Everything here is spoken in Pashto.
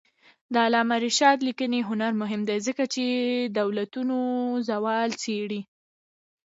د علامه رشاد لیکنی هنر مهم دی ځکه چې دولتونو زوال څېړي.